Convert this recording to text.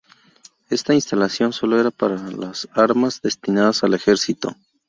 Esta instalación solo era para las armas destinadas al ejercito.